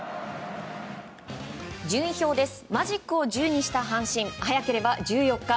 順位表です。